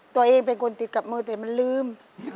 ตัวเองเป็นคนติดกับมือแต่มันลืม